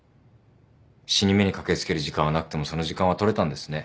死に目に駆け付ける時間はなくてもその時間は取れたんですね。